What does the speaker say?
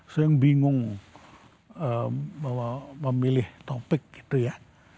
sering bingung bahwa memilih topik gitu ya